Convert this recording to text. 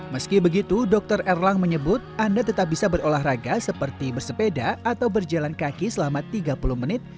meski begitu dokter erlang menyebut anda tetap bisa berolahraga seperti bersepeda atau berjalan kaki selama tiga puluh menit